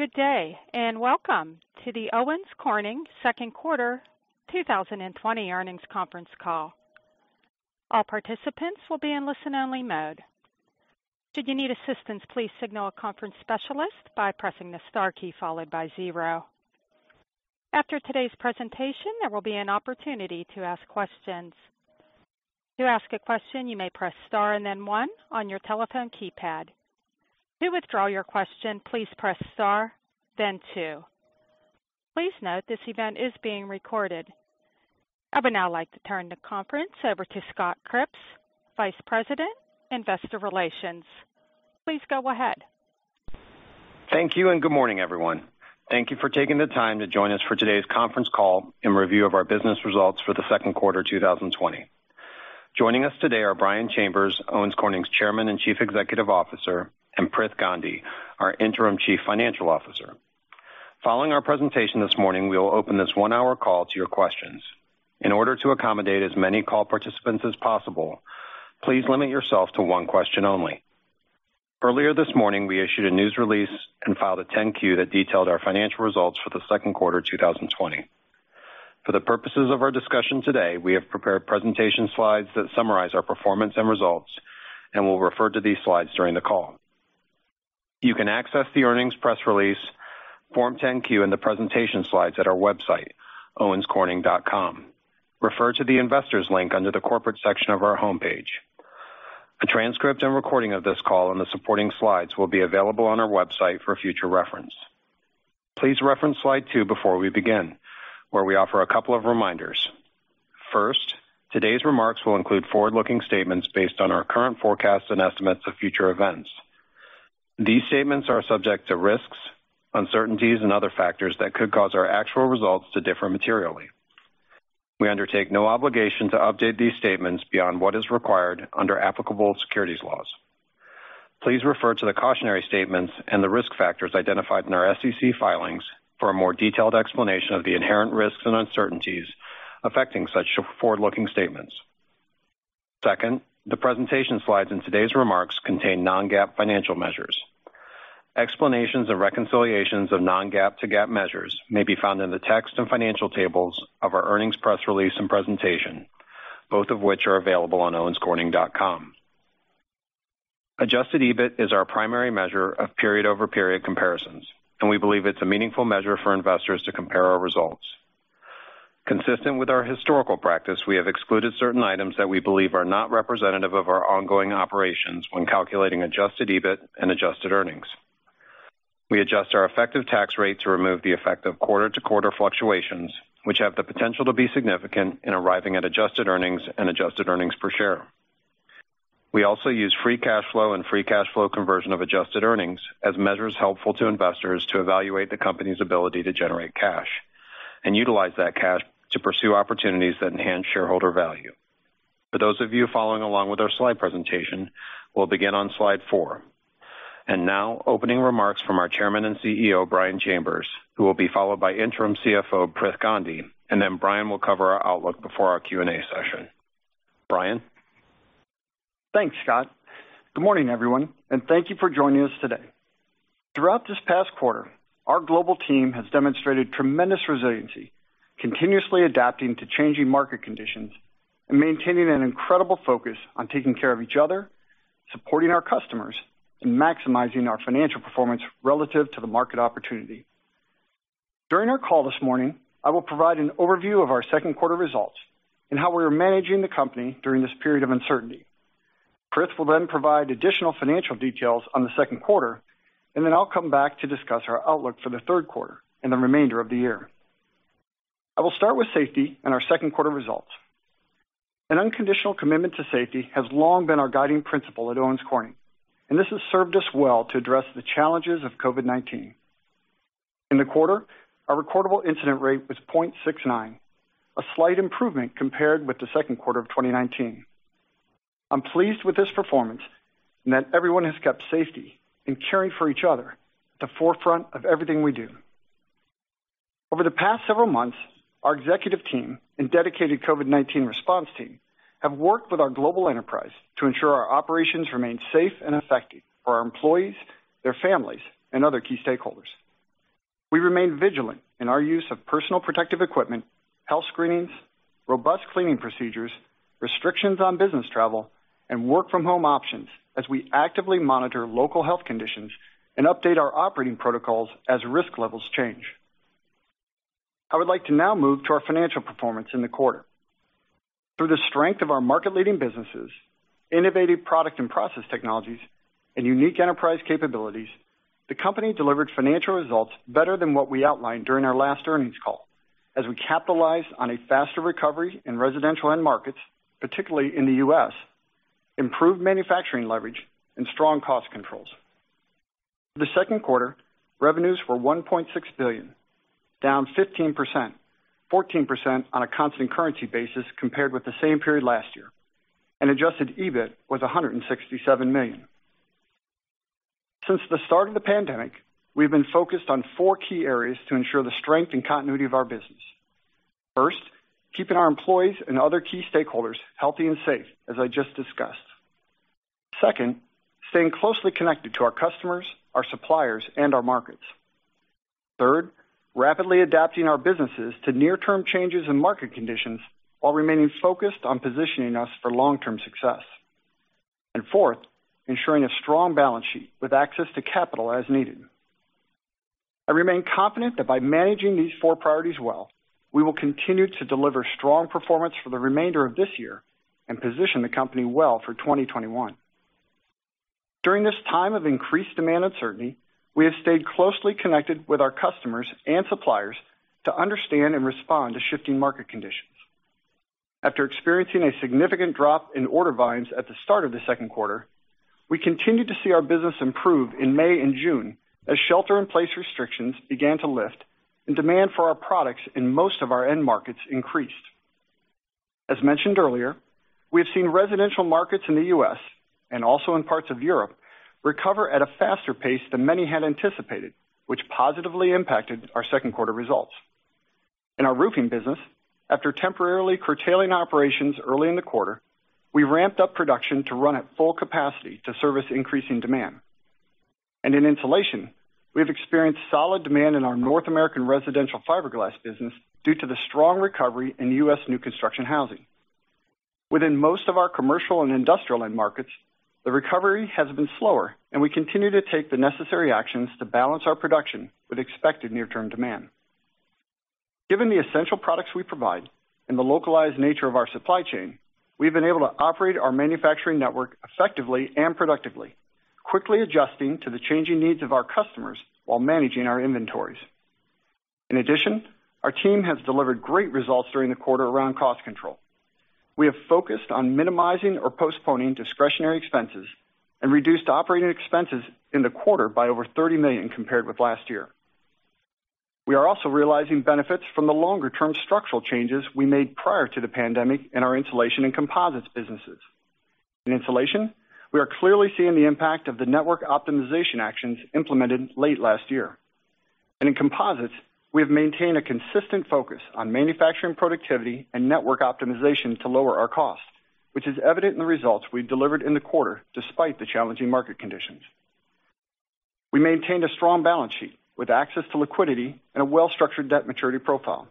Good day and welcome to the Owens Corning Second Quarter 2020 earnings conference call. All participants will be in listen-only mode. Should you need assistance, please signal a conference specialist by pressing the star key followed by zero. After today's presentation, there will be an opportunity to ask questions. To ask a question, you may press star and then one on your telephone keypad. To withdraw your question, please press star, then two. Please note this event is being recorded. I would now like to turn the conference over to Scott Cripps, Vice President, Investor Relations. Please go ahead. Thank you and good morning, everyone. Thank you for taking the time to join us for today's conference call and review of our business results for the second quarter 2020. Joining us today are Brian Chambers, Owens Corning's Chairman and Chief Executive Officer, and Prith Gandhi, our Interim Chief Financial Officer. Following our presentation this morning, we will open this one-hour call to your questions. In order to accommodate as many call participants as possible, please limit yourself to one question only. Earlier this morning, we issued a news release and filed a 10-Q that detailed our financial results for the second quarter 2020. For the purposes of our discussion today, we have prepared presentation slides that summarize our performance and results, and we'll refer to these slides during the call. You can access the earnings press release, Form 10-Q, and the presentation slides at our website, owenscorning.com. Refer to the investors' link under the corporate section of our homepage. A transcript and recording of this call and the supporting slides will be available on our website for future reference. Please reference slide 2 before we begin, where we offer a couple of reminders. First, today's remarks will include forward-looking statements based on our current forecasts and estimates of future events. These statements are subject to risks, uncertainties, and other factors that could cause our actual results to differ materially. We undertake no obligation to update these statements beyond what is required under applicable securities laws. Please refer to the cautionary statements and the risk factors identified in our SEC filings for a more detailed explanation of the inherent risks and uncertainties affecting such forward-looking statements. Second, the presentation slides and today's remarks contain non-GAAP financial measures. Explanations and reconciliations of non-GAAP to GAAP measures may be found in the text and financial tables of our earnings press release and presentation, both of which are available on owenscorning.com. Adjusted EBIT is our primary measure of period-over-period comparisons, and we believe it's a meaningful measure for investors to compare our results. Consistent with our historical practice, we have excluded certain items that we believe are not representative of our ongoing operations when calculating adjusted EBIT and adjusted earnings. We adjust our effective tax rate to remove the effect of quarter-to-quarter fluctuations, which have the potential to be significant in arriving at adjusted earnings and adjusted earnings per share. We also use free cash flow and free cash flow conversion of adjusted earnings as measures helpful to investors to evaluate the company's ability to generate cash and utilize that cash to pursue opportunities that enhance shareholder value. For those of you following along with our slide presentation, we'll begin on slide 4. And now, opening remarks from our Chairman and CEO, Brian Chambers, who will be followed by Interim CFO, Prith Gandhi, and then Brian will cover our outlook before our Q&A session. Brian? Thanks, Scott. Good morning, everyone, and thank you for joining us today. Throughout this past quarter, our global team has demonstrated tremendous resiliency, continuously adapting to changing market conditions and maintaining an incredible focus on taking care of each other, supporting our customers, and maximizing our financial performance relative to the market opportunity. During our call this morning, I will provide an overview of our second quarter results and how we are managing the company during this period of uncertainty. Prith will then provide additional financial details on the second quarter, and then I'll come back to discuss our outlook for the third quarter and the remainder of the year. I will start with safety and our second quarter results. An unconditional commitment to safety has long been our guiding principle at Owens Corning, and this has served us well to address the challenges of COVID-19. In the quarter, our recordable incident rate was 0.69, a slight improvement compared with the second quarter of 2019. I'm pleased with this performance and that everyone has kept safety and caring for each other at the forefront of everything we do. Over the past several months, our executive team and dedicated COVID-19 response team have worked with our global enterprise to ensure our operations remain safe and effective for our employees, their families, and other key stakeholders. We remain vigilant in our use of personal protective equipment, health screenings, robust cleaning procedures, restrictions on business travel, and work-from-home options as we actively monitor local health conditions and update our operating protocols as risk levels change. I would like to now move to our financial performance in the quarter. Through the strength of our market-leading businesses, innovative product and process technologies, and unique enterprise capabilities, the company delivered financial results better than what we outlined during our last earnings call as we capitalized on a faster recovery in residential end markets, particularly in the U.S., improved manufacturing leverage, and strong cost controls. For the second quarter, revenues were $1.6 billion, down 15%, 14% on a constant currency basis compared with the same period last year, and Adjusted EBIT was $167 million. Since the start of the pandemic, we've been focused on 4 key areas to ensure the strength and continuity of our business. First, keeping our employees and other key stakeholders healthy and safe, as I just discussed. Second, staying closely connected to our customers, our suppliers, and our markets. Third, rapidly adapting our businesses to near-term changes in market conditions while remaining focused on positioning us for long-term success. And fourth, ensuring a strong balance sheet with access to capital as needed. I remain confident that by managing these 4 priorities well, we will continue to deliver strong performance for the remainder of this year and position the company well for 2021. During this time of increased demand uncertainty, we have stayed closely connected with our customers and suppliers to understand and respond to shifting market conditions. After experiencing a significant drop in order volumes at the start of the second quarter, we continued to see our business improve in May and June as shelter-in-place restrictions began to lift and demand for our products in most of our end markets increased. As mentioned earlier, we have seen residential markets in the U.S. and also in parts of Europe recover at a faster pace than many had anticipated, which positively impacted our second quarter results. In our roofing business, after temporarily curtailing operations early in the quarter, we ramped up production to run at full capacity to service increasing demand. And in insulation, we've experienced solid demand in our North American residential fiberglass business due to the strong recovery in U.S. new construction housing. Within most of our commercial and industrial end markets, the recovery has been slower, and we continue to take the necessary actions to balance our production with expected near-term demand. Given the essential products we provide and the localized nature of our supply chain, we've been able to operate our manufacturing network effectively and productively, quickly adjusting to the changing needs of our customers while managing our inventories. In addition, our team has delivered great results during the quarter around cost control. We have focused on minimizing or postponing discretionary expenses and reduced operating expenses in the quarter by over $30 million compared with last year. We are also realizing benefits from the longer-term structural changes we made prior to the pandemic in our insulation and composites businesses. In insulation, we are clearly seeing the impact of the network optimization actions implemented late last year. And in composites, we have maintained a consistent focus on manufacturing productivity and network optimization to lower our cost, which is evident in the results we delivered in the quarter despite the challenging market conditions. We maintained a strong balance sheet with access to liquidity and a well-structured debt maturity profile.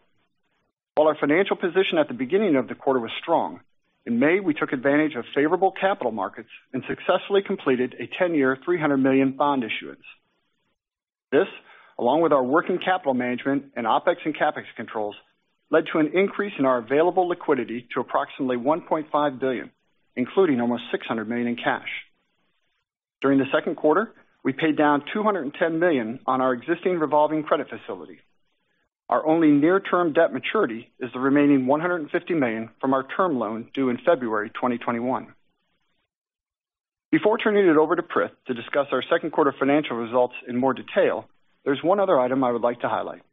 While our financial position at the beginning of the quarter was strong, in May, we took advantage of favorable capital markets and successfully completed a 10-year $300 million bond issuance. This, along with our working capital management and OpEx and CapEx controls, led to an increase in our available liquidity to approximately $1.5 billion, including almost $600 million in cash. During the second quarter, we paid down $210 million on our existing revolving credit facility. Our only near-term debt maturity is the remaining $150 million from our term loan due in February 2021. Before turning it over to Prith to discuss our second quarter financial results in more detail, there's one other item I would like to highlight.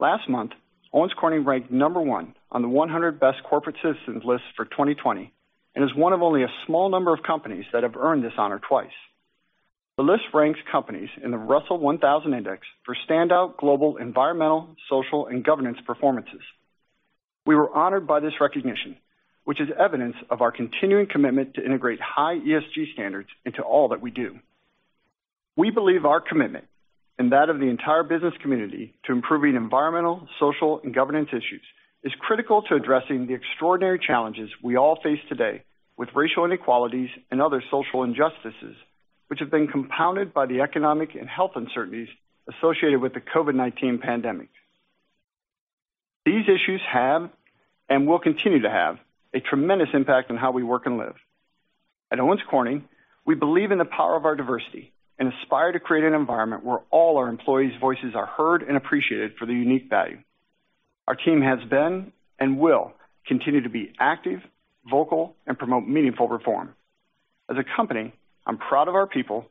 Last month, Owens Corning ranked number 1 on the 100 Best Corporate Citizens list for 2020 and is one of only a small number of companies that have earned this honor twice. The list ranks companies in the Russell 1000 Index for standout global environmental, social, and governance performances. We were honored by this recognition, which is evidence of our continuing commitment to integrate high ESG standards into all that we do. We believe our commitment, and that of the entire business community to improving environmental, social, and governance issues, is critical to addressing the extraordinary challenges we all face today with racial inequalities and other social injustices, which have been compounded by the economic and health uncertainties associated with the COVID-19 pandemic. These issues have, and will continue to have, a tremendous impact on how we work and live. At Owens Corning, we believe in the power of our diversity and aspire to create an environment where all our employees' voices are heard and appreciated for their unique value. Our team has been and will continue to be active, vocal, and promote meaningful reform. As a company, I'm proud of our people,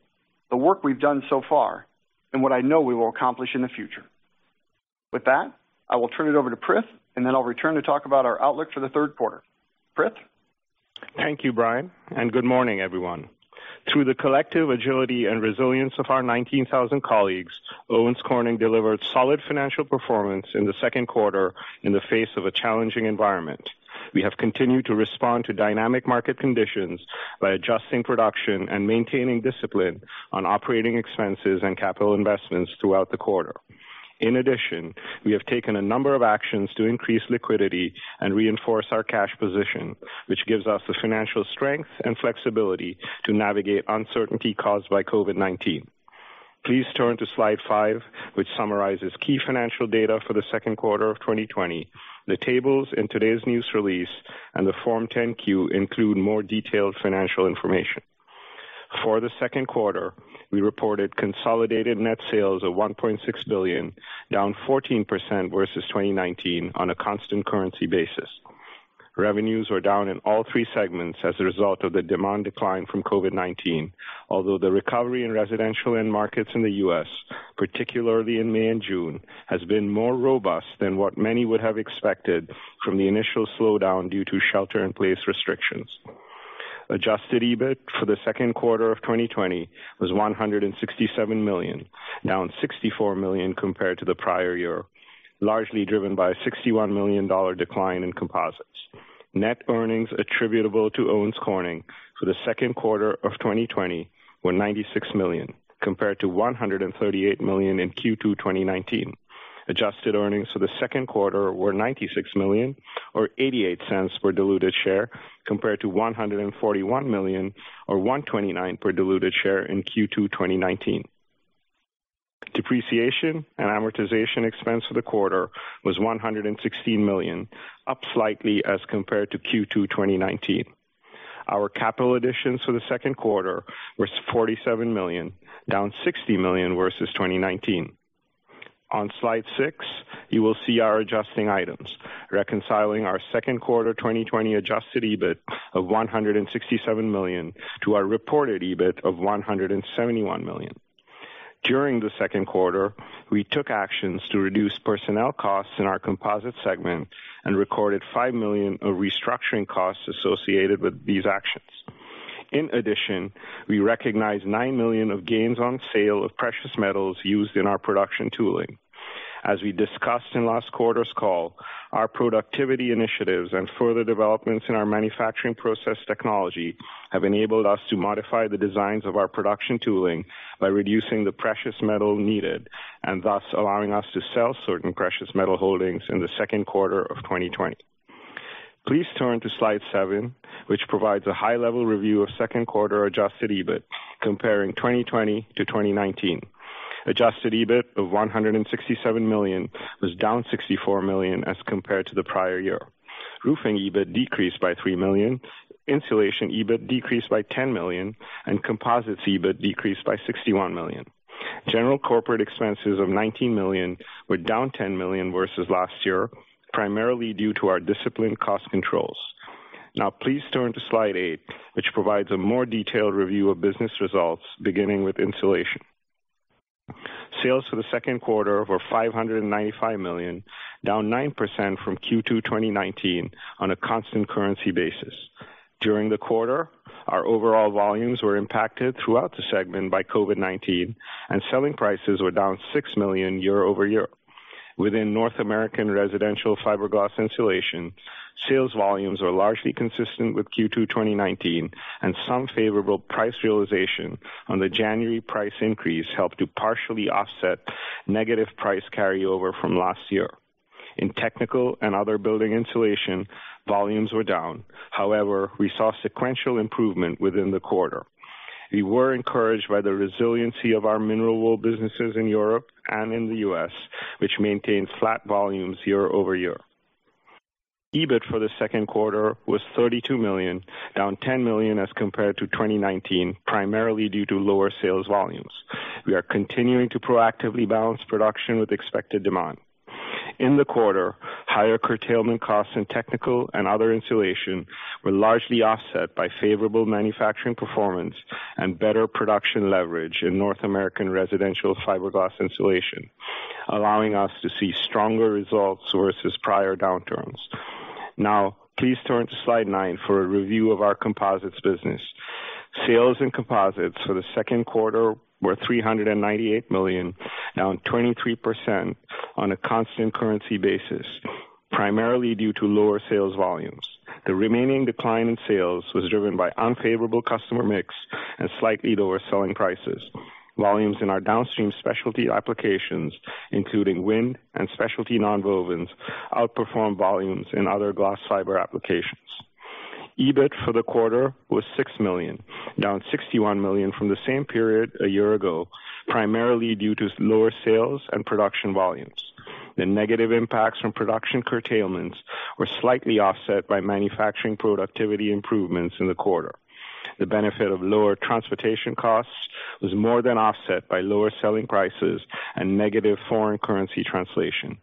the work we've done so far, and what I know we will accomplish in the future. With that, I will turn it over to Prith, and then I'll return to talk about our outlook for the third quarter. Prith? Thank you, Brian, and good morning, everyone. Through the collective agility and resilience of our 19,000 colleagues, Owens Corning delivered solid financial performance in the second quarter in the face of a challenging environment. We have continued to respond to dynamic market conditions by adjusting production and maintaining discipline on operating expenses and capital investments throughout the quarter. In addition, we have taken a number of actions to increase liquidity and reinforce our cash position, which gives us the financial strength and flexibility to navigate uncertainty caused by COVID-19. Please turn to slide 5, which summarizes key financial data for the second quarter of 2020. The tables in today's news release and the Form 10-Q include more detailed financial information. For the second quarter, we reported consolidated net sales of $1.6 billion, down 14% versus 2019 on a constant currency basis. Revenues were down in all 3 segments as a result of the demand decline from COVID-19, although the recovery in residential end markets in the U.S., particularly in May and June, has been more robust than what many would have expected from the initial slowdown due to shelter-in-place restrictions. Adjusted EBIT for the second quarter of 2020 was $167 million, down $64 million compared to the prior year, largely driven by a $61 million decline in composites. Net earnings attributable to Owens Corning for the second quarter of 2020 were $96 million, compared to $138 million in Q2 2019. Adjusted earnings for the second quarter were $96 million, or $0.88 per diluted share, compared to $141 million, or $1.29 per diluted share in Q2 2019. Depreciation and amortization expense for the quarter was $116 million, up slightly as compared to Q2 2019. Our capital additions for the second quarter were $47 million, down $60 million versus 2019. On slide 6, you will see our adjusting items, reconciling our second quarter 2020 adjusted EBIT of $167 million to our reported EBIT of $171 million. During the second quarter, we took actions to reduce personnel costs in our composites segment and recorded $5 million of restructuring costs associated with these actions. In addition, we recognized $9 million of gains on sale of precious metals used in our production tooling. As we discussed in last quarter's call, our productivity initiatives and further developments in our manufacturing process technology have enabled us to modify the designs of our production tooling by reducing the precious metal needed and thus allowing us to sell certain precious metal holdings in the second quarter of 2020. Please turn to slide 7, which provides a high-level review of second quarter adjusted EBIT, comparing 2020 to 2019. Adjusted EBIT of $167 million was down $64 million as compared to the prior year. Roofing EBIT decreased by $3 million, insulation EBIT decreased by $10 million, and composites EBIT decreased by $61 million. General corporate expenses of $19 million were down $10 million versus last year, primarily due to our disciplined cost controls. Now, please turn to slide 8, which provides a more detailed review of business results, beginning with insulation. Sales for the second quarter were $595 million, down 9% from Q2 2019 on a constant currency basis. During the quarter, our overall volumes were impacted throughout the segment by COVID-19, and selling prices were down $6 million year over year. Within North American residential fiberglass insulation, sales volumes were largely consistent with Q2 2019, and some favorable price realization on the January price increase helped to partially offset negative price carryover from last year. In technical and other building insulation, volumes were down. However, we saw sequential improvement within the quarter. We were encouraged by the resiliency of our mineral wool businesses in Europe and in the U.S., which maintained flat volumes year over year. EBIT for the second quarter was $32 million, down $10 million as compared to 2019, primarily due to lower sales volumes. We are continuing to proactively balance production with expected demand. In the quarter, higher curtailment costs in technical and other insulation were largely offset by favorable manufacturing performance and better production leverage in North American residential fiberglass insulation, allowing us to see stronger results versus prior downturns. Now, please turn to slide 9 for a review of our composites business. Sales in composites for the second quarter were $398 million, down 23% on a constant currency basis, primarily due to lower sales volumes. The remaining decline in sales was driven by unfavorable customer mix and slightly lower selling prices. Volumes in our downstream specialty applications, including wind and specialty non-wovens, outperformed volumes in other glass fiber applications. EBIT for the quarter was $6 million, down $61 million from the same period a year ago, primarily due to lower sales and production volumes. The negative impacts from production curtailments were slightly offset by manufacturing productivity improvements in the quarter. The benefit of lower transportation costs was more than offset by lower selling prices and negative foreign currency translation.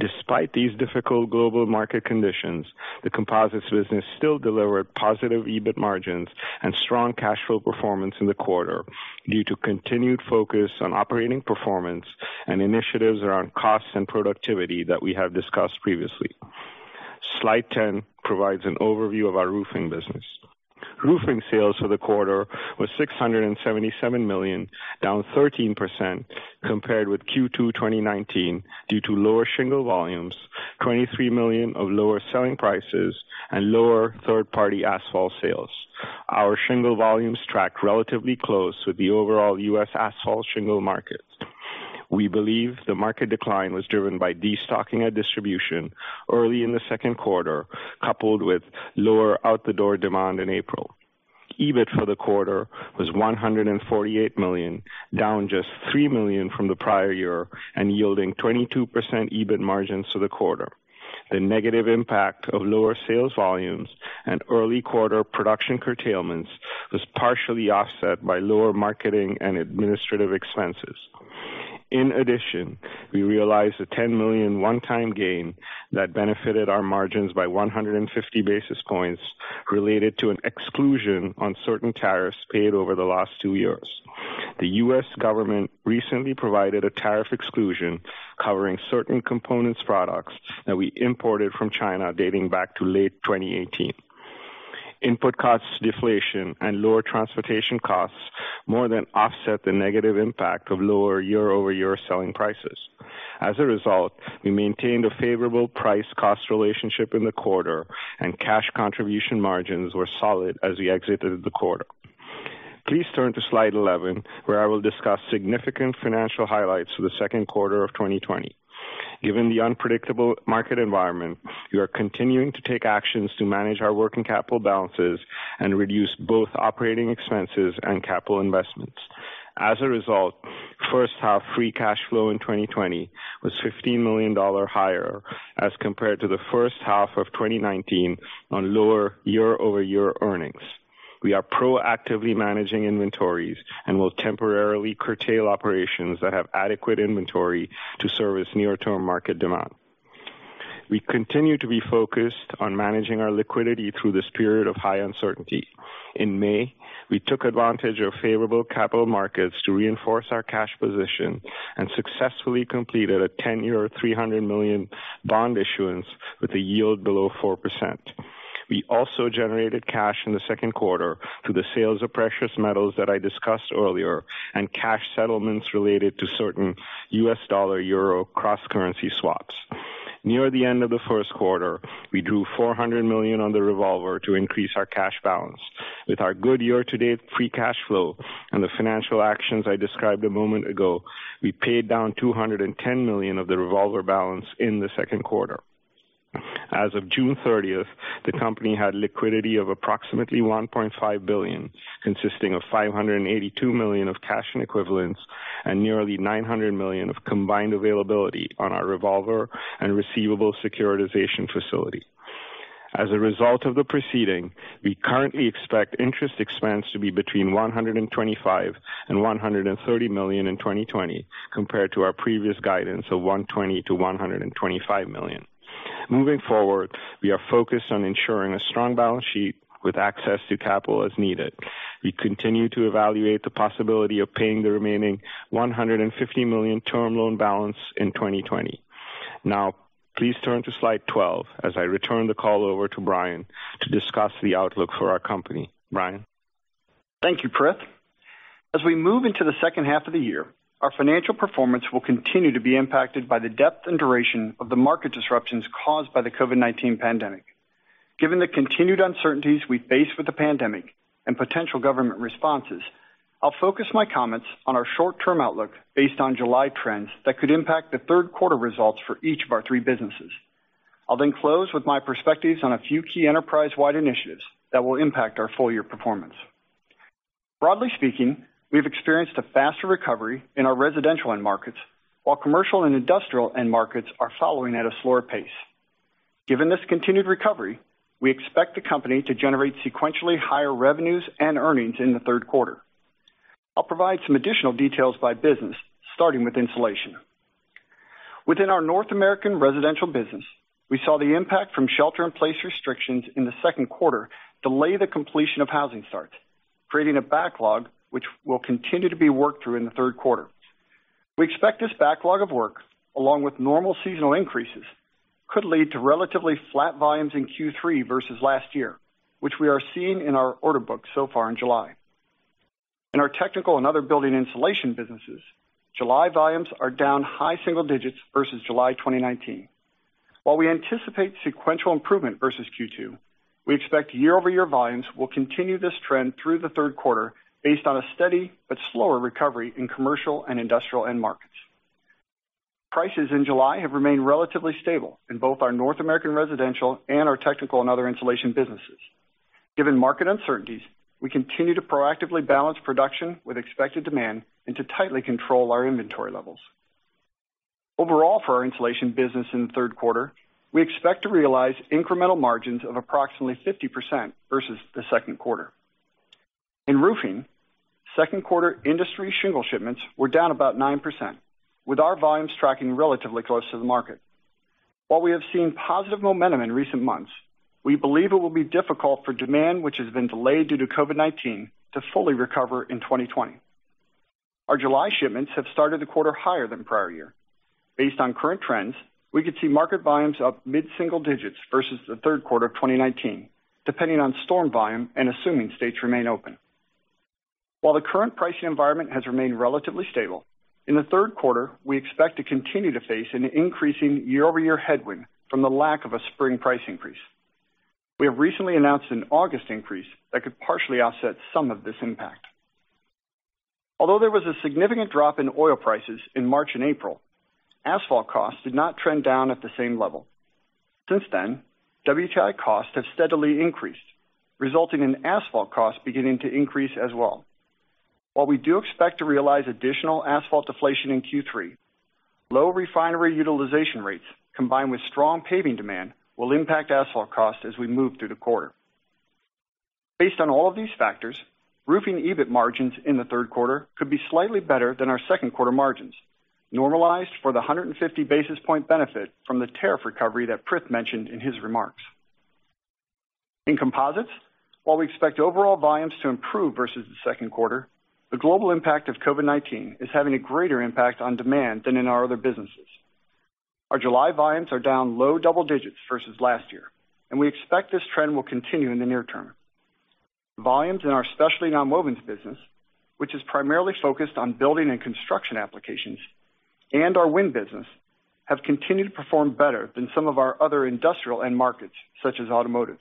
Despite these difficult global market conditions, the composites business still delivered positive EBIT margins and strong cash flow performance in the quarter due to continued focus on operating performance and initiatives around costs and productivity that we have discussed previously. Slide 10 provides an overview of our roofing business. Roofing sales for the quarter were $677 million, down 13% compared with Q2 2019 due to lower shingle volumes, $23 million of lower selling prices, and lower third-party asphalt sales. Our shingle volumes tracked relatively close with the overall U.S. asphalt shingle markets. We believe the market decline was driven by destocking at distribution early in the second quarter, coupled with lower out-the-door demand in April. EBIT for the quarter was $148 million, down just $3 million from the prior year, and yielding 22% EBIT margins for the quarter. The negative impact of lower sales volumes and early quarter production curtailments was partially offset by lower marketing and administrative expenses. In addition, we realized a $10 million one-time gain that benefited our margins by 150 basis points related to an exclusion on certain tariffs paid over the last 2 years. The U.S. government recently provided a tariff exclusion covering certain composite products that we imported from China dating back to late 2018. Input cost deflation and lower transportation costs more than offset the negative impact of lower year-over-year selling prices. As a result, we maintained a favorable price-cost relationship in the quarter, and cash contribution margins were solid as we exited the quarter. Please turn to slide 11, where I will discuss significant financial highlights for the second quarter of 2020. Given the unpredictable market environment, we are continuing to take actions to manage our working capital balances and reduce both operating expenses and capital investments. As a result, first-half free cash flow in 2020 was $15 million higher as compared to the first half of 2019 on lower year-over-year earnings. We are proactively managing inventories and will temporarily curtail operations that have adequate inventory to service near-term market demand. We continue to be focused on managing our liquidity through this period of high uncertainty. In May, we took advantage of favorable capital markets to reinforce our cash position and successfully completed a 10-year $300 million bond issuance with a yield below 4%. We also generated cash in the second quarter through the sales of precious metals that I discussed earlier and cash settlements related to certain U.S. dollar-euro cross-currency swaps. Near the end of the first quarter, we drew $400 million on the revolver to increase our cash balance. With our good year-to-date free cash flow and the financial actions I described a moment ago, we paid down $210 million of the revolver balance in the second quarter. As of June 30th, the company had liquidity of approximately $1.5 billion, consisting of $582 million of cash and equivalents and nearly $900 million of combined availability on our revolver and receivable securitization facility. As a result of the proceeding, we currently expect interest expense to be between $125 million and $130 million in 2020, compared to our previous guidance of $120 million to $125 million. Moving forward, we are focused on ensuring a strong balance sheet with access to capital as needed. We continue to evaluate the possibility of paying the remaining $150 million term loan balance in 2020. Now, please turn to slide 12 as I return the call over to Brian to discuss the outlook for our company. Brian. Thank you, Prith. As we move into the second half of the year, our financial performance will continue to be impacted by the depth and duration of the market disruptions caused by the COVID-19 pandemic. Given the continued uncertainties we face with the pandemic and potential government responses, I'll focus my comments on our short-term outlook based on July trends that could impact the third quarter results for each of our 3 businesses. I'll then close with my perspectives on a few key enterprise-wide initiatives that will impact our full-year performance. Broadly speaking, we've experienced a faster recovery in our residential end markets, while commercial and industrial end markets are following at a slower pace. Given this continued recovery, we expect the company to generate sequentially higher revenues and earnings in the third quarter. I'll provide some additional details by business, starting with insulation. Within our North American residential business, we saw the impact from shelter-in-place restrictions in the second quarter delay the completion of housing starts, creating a backlog which will continue to be worked through in the third quarter. We expect this backlog of work, along with normal seasonal increases, could lead to relatively flat volumes in Q3 versus last year, which we are seeing in our order books so far in July. In our technical and other building insulation businesses, July volumes are down high single digits versus July 2019. While we anticipate sequential improvement versus Q2, we expect year-over-year volumes will continue this trend through the third quarter based on a steady but slower recovery in commercial and industrial end markets. Prices in July have remained relatively stable in both our North American residential and our technical and other insulation businesses. Given market uncertainties, we continue to proactively balance production with expected demand and to tightly control our inventory levels. Overall, for our insulation business in the third quarter, we expect to realize incremental margins of approximately 50% versus the second quarter. In roofing, second quarter industry shingle shipments were down about 9%, with our volumes tracking relatively close to the market. While we have seen positive momentum in recent months, we believe it will be difficult for demand, which has been delayed due to COVID-19, to fully recover in 2020. Our July shipments have started the quarter higher than prior year. Based on current trends, we could see market volumes up mid-single digits versus the third quarter of 2019, depending on storm volume and assuming states remain open. While the current pricing environment has remained relatively stable, in the third quarter, we expect to continue to face an increasing year-over-year headwind from the lack of a spring price increase. We have recently announced an August increase that could partially offset some of this impact. Although there was a significant drop in oil prices in March and April, asphalt costs did not trend down at the same level. Since then, WTI costs have steadily increased, resulting in asphalt costs beginning to increase as well. While we do expect to realize additional asphalt deflation in Q3, low refinery utilization rates combined with strong paving demand will impact asphalt costs as we move through the quarter. Based on all of these factors, roofing EBIT margins in the third quarter could be slightly better than our second quarter margins, normalized for the 150 basis points benefit from the tariff recovery that Prith mentioned in his remarks. In composites, while we expect overall volumes to improve versus the second quarter, the global impact of COVID-19 is having a greater impact on demand than in our other businesses. Our July volumes are down low double digits versus last year, and we expect this trend will continue in the near term. Volumes in our specialty non-wovens business, which is primarily focused on building and construction applications, and our wind business have continued to perform better than some of our other industrial end markets, such as automotive.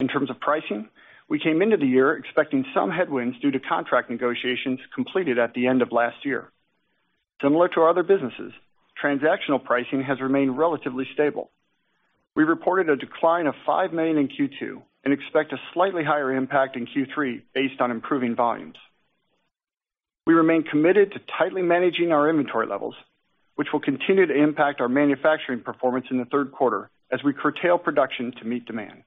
In terms of pricing, we came into the year expecting some headwinds due to contract negotiations completed at the end of last year. Similar to our other businesses, transactional pricing has remained relatively stable. We reported a decline of $5 million in Q2 and expect a slightly higher impact in Q3 based on improving volumes. We remain committed to tightly managing our inventory levels, which will continue to impact our manufacturing performance in the third quarter as we curtail production to meet demand.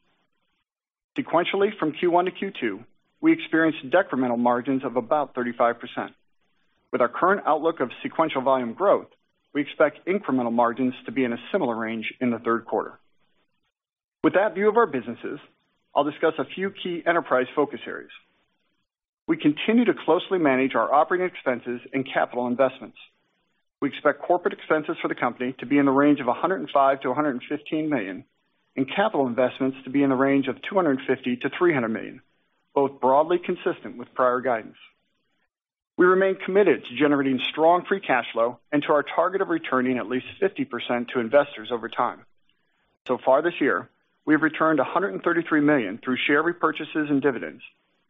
Sequentially, from Q1 to Q2, we experienced decremental margins of about 35%. With our current outlook of sequential volume growth, we expect incremental margins to be in a similar range in the third quarter. With that view of our businesses, I'll discuss a few key enterprise focus areas. We continue to closely manage our operating expenses and capital investments. We expect corporate expenses for the company to be in the range of $105 million-$115 million and capital investments to be in the range of $250 million-$300 million, both broadly consistent with prior guidance. We remain committed to generating strong free cash flow and to our target of returning at least 50% to investors over time. So far this year, we have returned $133 million through share repurchases and dividends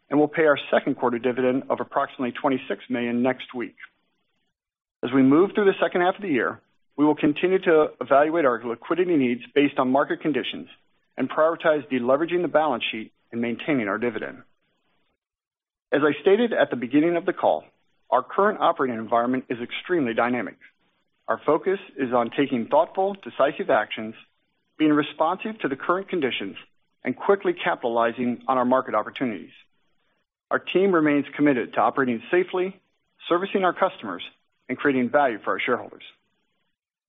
and will pay our second quarter dividend of approximately $26 million next week. As we move through the second half of the year, we will continue to evaluate our liquidity needs based on market conditions and prioritize deleveraging the balance sheet and maintaining our dividend. As I stated at the beginning of the call, our current operating environment is extremely dynamic. Our focus is on taking thoughtful, decisive actions, being responsive to the current conditions, and quickly capitalizing on our market opportunities. Our team remains committed to operating safely, servicing our customers, and creating value for our shareholders.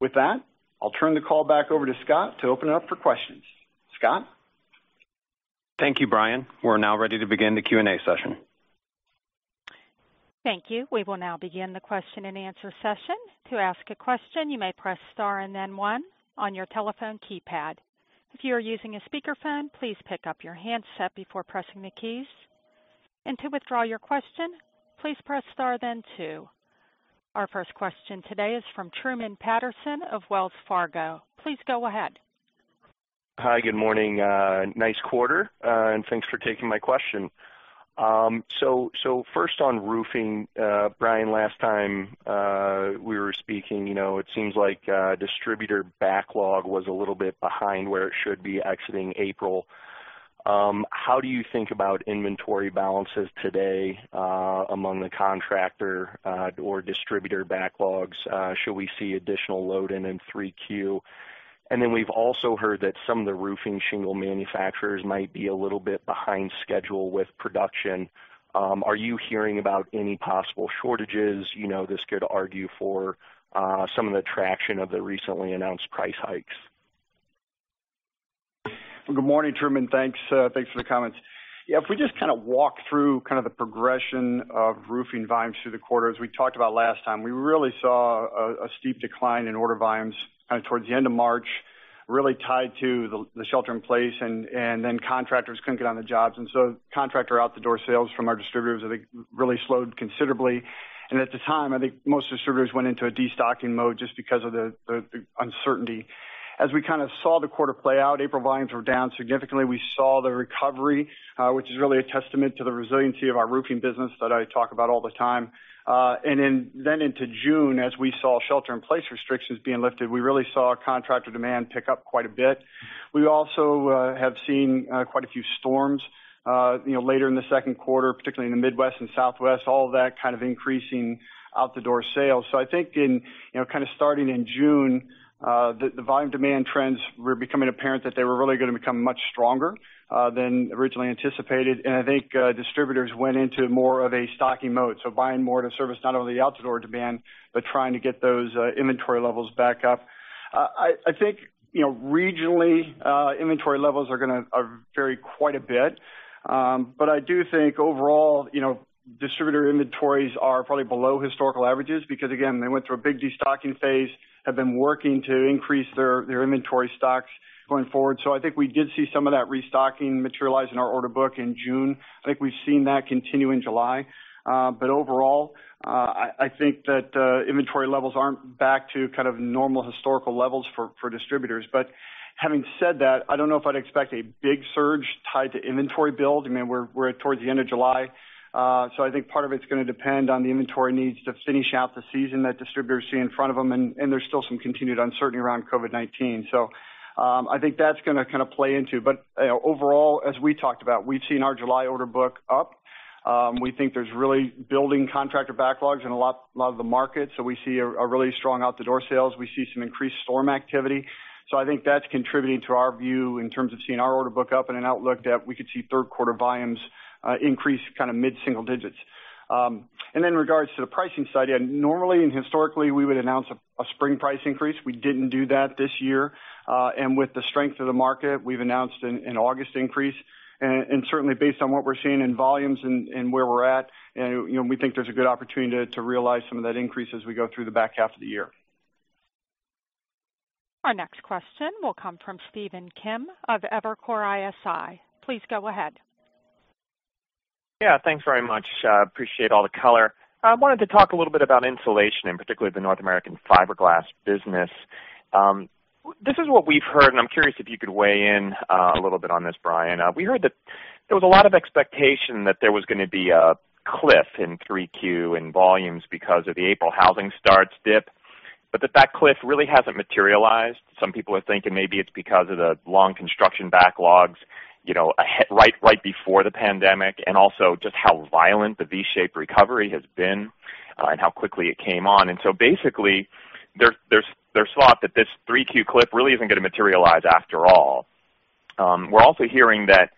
With that, I'll turn the call back over to Scott to open it up for questions. Scott. Thank you, Brian. We're now ready to begin the Q&A session. Thank you. We will now begin the question and answer session. To ask a question, you may press star and then one on your telephone keypad. If you are using a speakerphone, please pick up your handset before pressing the keys. And to withdraw your question, please press star then two. Our first question today is from Truman Patterson of Wells Fargo. Please go ahead. Hi, good morning. Nice quarter, and thanks for taking my question. So first on roofing, Brian, last time we were speaking, it seems like distributor backlog was a little bit behind where it should be exiting April. How do you think about inventory balances today among the contractor or distributor backlogs? Should we see additional loading in 3Q? And then we've also heard that some of the roofing shingle manufacturers might be a little bit behind schedule with production. Are you hearing about any possible shortages? This could argue for some of the traction of the recently announced price hikes. Good morning, Truman. Thanks for the comments. Yeah, if we just kind of walk through kind of the progression of roofing volumes through the quarter as we talked about last time, we really saw a steep decline in order volumes kind of towards the end of March, really tied to the shelter-in-place, and then contractors couldn't get on the jobs. And so contractor out-the-door sales from our distributors, I think, really slowed considerably. And at the time, I think most distributors went into a destocking mode just because of the uncertainty. As we kind of saw the quarter play out, April volumes were down significantly. We saw the recovery, which is really a testament to the resiliency of our roofing business that I talk about all the time. And then into June, as we saw shelter-in-place restrictions being lifted, we really saw contractor demand pick up quite a bit. We also have seen quite a few storms later in the second quarter, particularly in the Midwest and Southwest, all of that kind of increasing out-the-door sales. So I think in kind of starting in June, the volume demand trends were becoming apparent that they were really going to become much stronger than originally anticipated. And I think distributors went into more of a stocking mode, so buying more to service not only the out-the-door demand, but trying to get those inventory levels back up. I think regionally, inventory levels are going to vary quite a bit. But I do think overall, distributor inventories are probably below historical averages because, again, they went through a big destocking phase, have been working to increase their inventory stocks going forward. So I think we did see some of that restocking materialize in our order book in June. I think we've seen that continue in July, but overall, I think that inventory levels aren't back to kind of normal historical levels for distributors. But having said that, I don't know if I'd expect a big surge tied to inventory build. I mean, we're towards the end of July, so I think part of it's going to depend on the inventory needs to finish out the season that distributors see in front of them, and there's still some continued uncertainty around COVID-19. So I think that's going to kind of play into it, but overall, as we talked about, we've seen our July order book up. We think there's really building contractor backlogs in a lot of the markets, so we see a really strong out-the-door sales. We see some increased storm activity. So, I think that's contributing to our view in terms of seeing our order book up and an outlook that we could see third quarter volumes increase kind of mid-single digits. And in regards to the pricing side, yeah, normally and historically, we would announce a spring price increase. We didn't do that this year. And with the strength of the market, we've announced an August increase. And certainly, based on what we're seeing in volumes and where we're at, we think there's a good opportunity to realize some of that increase as we go through the back half of the year. Our next question will come from Stephen Kim of Evercore ISI. Please go ahead. Yeah, thanks very much. Appreciate all the color. I wanted to talk a little bit about insulation and particularly the North American fiberglass business. This is what we've heard, and I'm curious if you could weigh in a little bit on this, Brian. We heard that there was a lot of expectation that there was going to be a cliff in 3Q in volumes because of the April housing starts dip. But that cliff really hasn't materialized. Some people are thinking maybe it's because of the long construction backlogs right before the pandemic and also just how violent the V-shaped recovery has been and how quickly it came on. And so basically, they're swamped that this 3Q clip really isn't going to materialize after all. We're also hearing that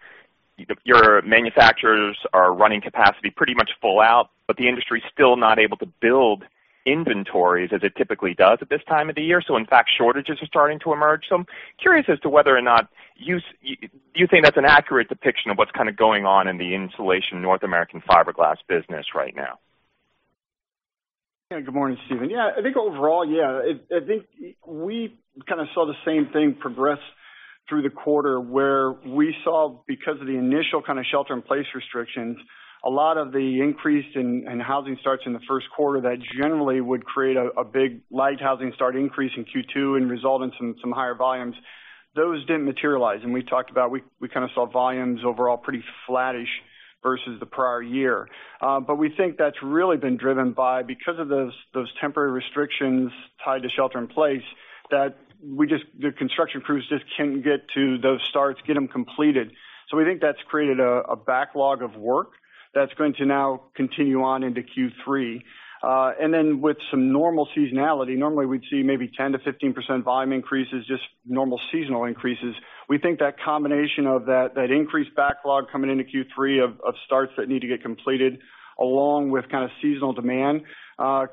your manufacturers are running capacity pretty much full out, but the industry is still not able to build inventories as it typically does at this time of the year. So in fact, shortages are starting to emerge. So I'm curious as to whether or not you think that's an accurate depiction of what's kind of going on in the insulation North American fiberglass business right now? Yeah, good morning, Stephen. Yeah, I think overall, yeah. I think we kind of saw the same thing progress through the quarter where we saw, because of the initial kind of shelter-in-place restrictions, a lot of the increase in housing starts in the first quarter that generally would create a big lift from housing starts increase in Q2 and result in some higher volumes. Those didn't materialize, and we talked about we kind of saw volumes overall pretty flattish versus the prior year, but we think that's really been driven by, because of those temporary restrictions tied to shelter-in-place, that the construction crews just can't get to those starts, get them completed, so we think that's created a backlog of work that's going to now continue on into Q3, and then with some normal seasonality, normally we'd see maybe 10%-15% volume increases, just normal seasonal increases. We think that combination of that increased backlog coming into Q3 of starts that need to get completed along with kind of seasonal demand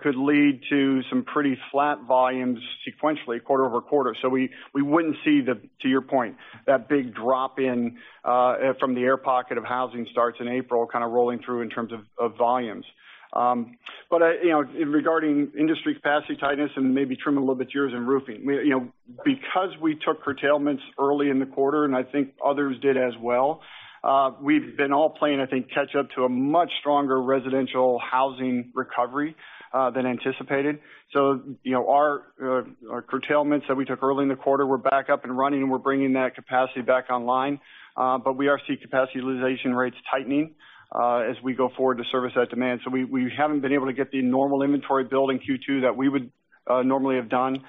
could lead to some pretty flat volumes sequentially, quarter over quarter. So we wouldn't see, to your point, that big drop in from the air pocket of housing starts in April kind of rolling through in terms of volumes. But regarding industry capacity tightness and maybe trim a little bit yours in roofing, because we took curtailments early in the quarter and I think others did as well, we've all been playing, I think, catch up to a much stronger residential housing recovery than anticipated. So our curtailments that we took early in the quarter were back up and running and we're bringing that capacity back online. But we are seeing capacity utilization rates tightening as we go forward to service that demand. We haven't been able to get the normal inventory build in Q2 that we would normally have done.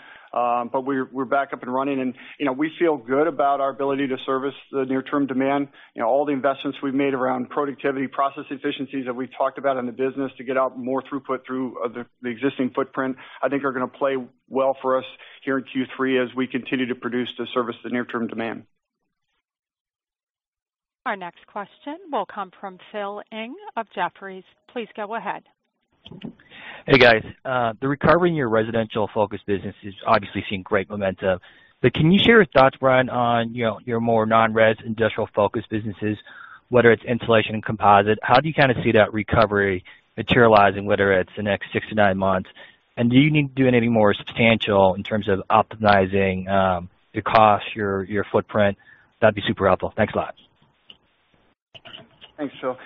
We're back up and running. We feel good about our ability to service the near-term demand. All the investments we've made around productivity, process efficiencies that we've talked about in the business to get out more throughput through the existing footprint, I think are going to play well for us here in Q3 as we continue to produce to service the near-term demand. Our next question will come from Phil Ng of Jefferies. Please go ahead. Hey, guys. The recovery in your residential fiberglass business is obviously seeing great momentum. But can you share your thoughts, Brian, on your more non-residential industrial fiberglass businesses, whether it's insulation and composites? How do you kind of see that recovery materializing, whether it's the next 6 to 9 months? And do you need to do anything more substantial in terms of optimizing your cost, your footprint? That'd be super helpful. Thanks a lot. Thanks, Phil.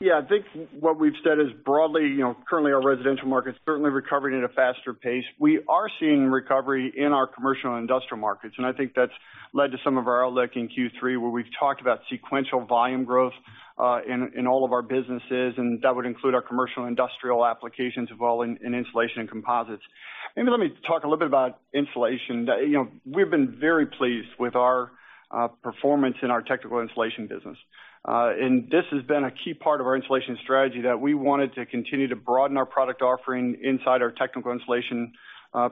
Yeah, I think what we've said is broadly, currently our residential market's certainly recovering at a faster pace. We are seeing recovery in our commercial and industrial markets, and I think that's led to some of our outlook in Q3 where we've talked about sequential volume growth in all of our businesses, and that would include our commercial and industrial applications as well in insulation and composites. Maybe let me talk a little bit about insulation. We've been very pleased with our performance in our technical insulation business, and this has been a key part of our insulation strategy that we wanted to continue to broaden our product offering inside our technical insulation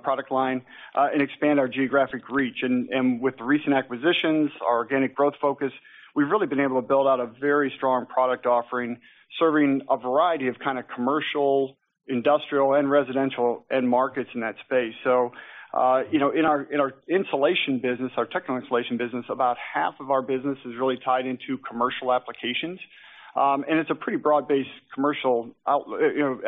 product line and expand our geographic reach. With recent acquisitions, our organic growth focus, we've really been able to build out a very strong product offering serving a variety of kind of commercial, industrial, and residential markets in that space. In our insulation business, our technical insulation business, about half of our business is really tied into commercial applications. It's a pretty broad-based commercial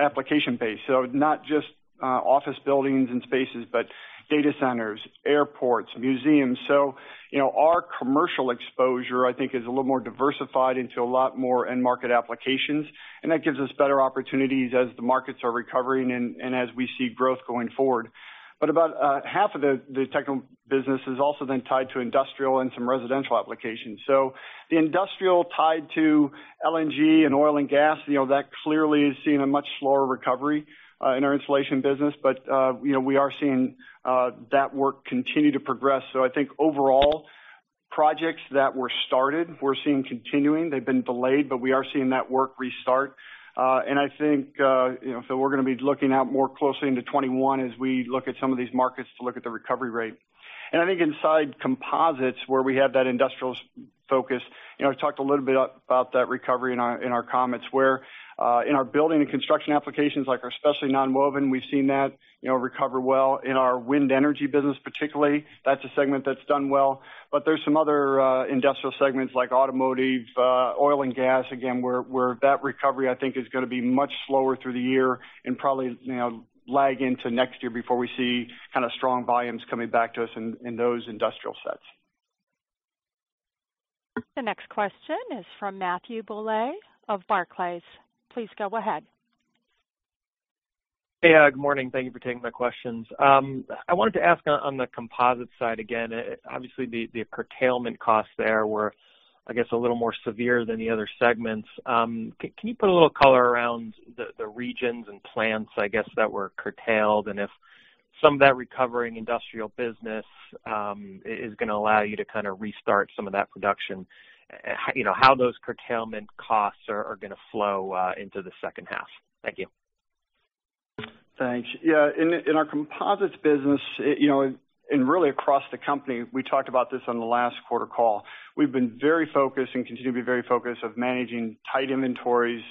application base. Not just office buildings and spaces, but data centers, airports, museums. Our commercial exposure, I think, is a little more diversified into a lot more end market applications. That gives us better opportunities as the markets are recovering and as we see growth going forward. About half of the technical business is also then tied to industrial and some residential applications. The industrial tied to LNG and oil and gas, that clearly is seeing a much slower recovery in our insulation business. But we are seeing that work continue to progress. So I think overall, projects that were started, we're seeing continuing. They've been delayed, but we are seeing that work restart. And I think, Phil, we're going to be looking out more closely into 2021 as we look at some of these markets to look at the recovery rate. And I think inside composites, where we have that industrial focus, I talked a little bit about that recovery in our comments where in our building and construction applications, like our specialty non-woven, we've seen that recover well. In our wind energy business, particularly, that's a segment that's done well. But there's some other industrial segments like automotive, oil and gas, again, where that recovery, I think, is going to be much slower through the year and probably lag into next year before we see kind of strong volumes coming back to us in those industrial segments. The next question is from Matthew Bouley of Barclays. Please go ahead. Hey, good morning. Thank you for taking my questions. I wanted to ask on the composites side again. Obviously, the curtailment costs there were, I guess, a little more severe than the other segments. Can you put a little color around the regions and plants, I guess, that were curtailed? And if some of that recovering industrial business is going to allow you to kind of restart some of that production, how those curtailment costs are going to flow into the second half? Thank you. Thanks. Yeah. In our composites business, and really across the company, we talked about this on the last quarter call. We've been very focused and continue to be very focused on managing tight inventories,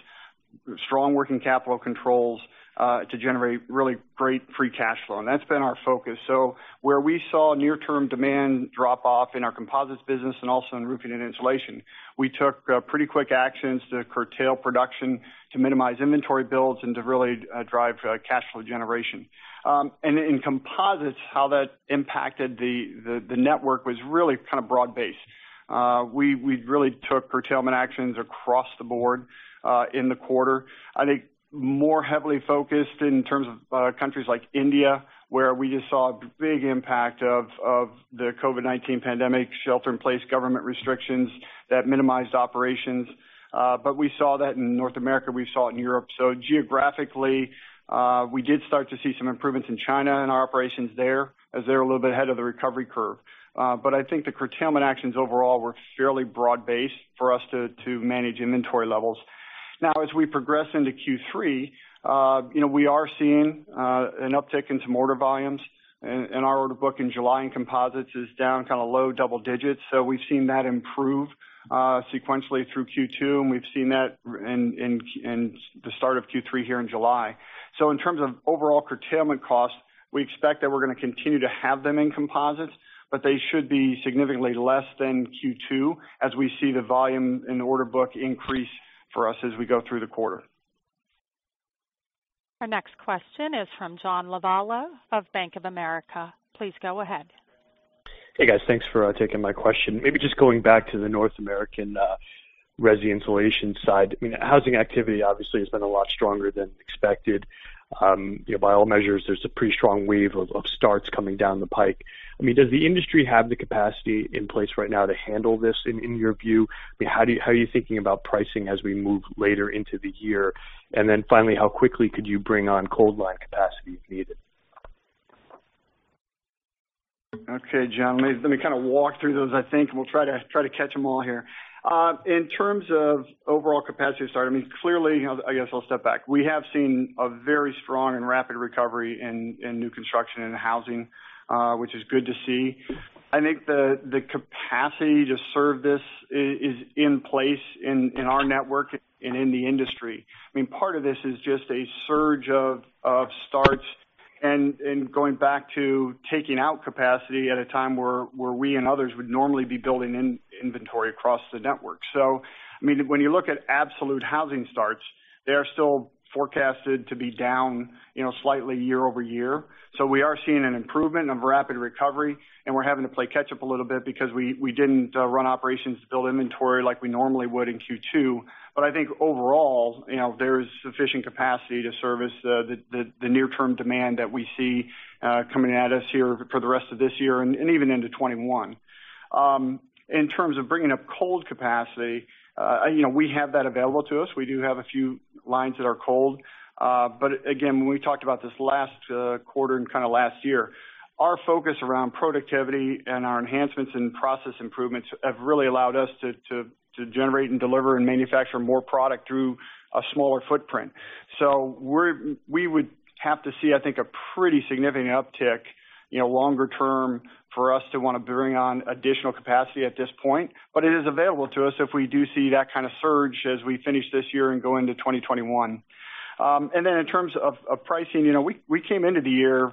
strong working capital controls to generate really great free cash flow. And that's been our focus. So where we saw near-term demand drop off in our composites business and also in roofing and insulation, we took pretty quick actions to curtail production to minimize inventory builds and to really drive cash flow generation. And in composites, how that impacted the network was really kind of broad-based. We really took curtailment actions across the board in the quarter. I think more heavily focused in terms of countries like India, where we just saw a big impact of the COVID-19 pandemic, shelter-in-place government restrictions that minimized operations. But we saw that in North America. We saw it in Europe, so geographically, we did start to see some improvements in China and our operations there as they were a little bit ahead of the recovery curve, but I think the curtailment actions overall were fairly broad-based for us to manage inventory levels. Now, as we progress into Q3, we are seeing an uptick in some order volumes, and our order book in July in composites is down kind of low double digits, so we've seen that improve sequentially through Q2, and we've seen that in the start of Q3 here in July, so in terms of overall curtailment costs, we expect that we're going to continue to have them in composites, but they should be significantly less than Q2 as we see the volume in the order book increase for us as we go through the quarter. Our next question is from John Lovallo of Bank of America. Please go ahead. Hey, guys. Thanks for taking my question. Maybe just going back to the North American residential insulation side. I mean, housing activity obviously has been a lot stronger than expected. By all measures, there's a pretty strong wave of starts coming down the pike. I mean, does the industry have the capacity in place right now to handle this in your view? I mean, how are you thinking about pricing as we move later into the year? And then finally, how quickly could you bring on cold line capacity if needed? Okay, John, let me kind of walk through those, I think, and we'll try to catch them all here. In terms of overall capacity start, I mean, clearly, I guess I'll step back. We have seen a very strong and rapid recovery in new construction and housing, which is good to see. I think the capacity to serve this is in place in our network and in the industry. I mean, part of this is just a surge of starts and going back to taking out capacity at a time where we and others would normally be building in inventory across the network. When you look at absolute housing starts, they are still forecasted to be down slightly year over year, so we are seeing an improvement of rapid recovery. We're having to play catch up a little bit because we didn't run operations to build inventory like we normally would in Q2. But I think overall, there is sufficient capacity to service the near-term demand that we see coming at us here for the rest of this year and even into 2021. In terms of bringing up cold capacity, we have that available to us. We do have a few lines that are cold. But again, when we talked about this last quarter and kind of last year, our focus around productivity and our enhancements and process improvements have really allowed us to generate and deliver and manufacture more product through a smaller footprint. So we would have to see, I think, a pretty significant uptick longer term for us to want to bring on additional capacity at this point. But it is available to us if we do see that kind of surge as we finish this year and go into 2021. And then in terms of pricing, we came into the year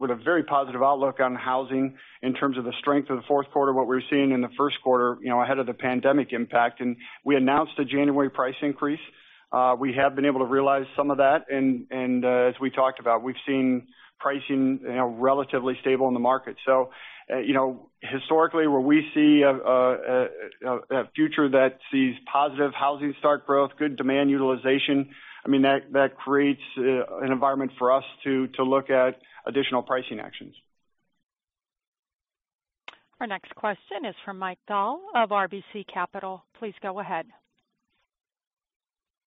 with a very positive outlook on housing in terms of the strength of the fourth quarter, what we were seeing in the first quarter ahead of the pandemic impact. And we announced a January price increase. We have been able to realize some of that. And as we talked about, we've seen pricing relatively stable in the market. So historically, where we see a future that sees positive housing start growth, good demand utilization, I mean, that creates an environment for us to look at additional pricing actions. Our next question is from Mike Dahl of RBC Capital. Please go ahead.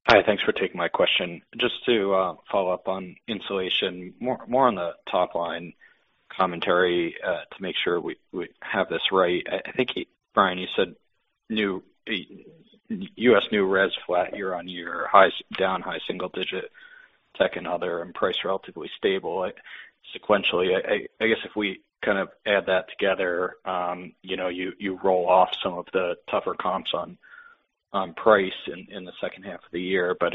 Hi, thanks for taking my question. Just to follow up on insulation, more on the top line commentary to make sure we have this right. I think, Brian, you said U.S. new res flat year on year, down high single digit, tech and other, and price relatively stable sequentially. I guess if we kind of add that together, you roll off some of the tougher comps on price in the second half of the year. But